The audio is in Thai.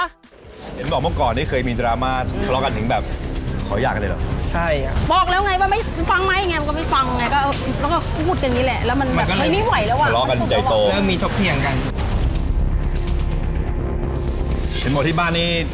เห็นหมดที่บ้านนี้